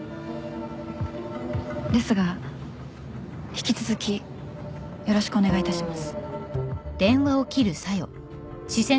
ですが引き続きよろしくお願いいたします。